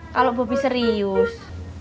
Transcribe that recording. kalau bobby serius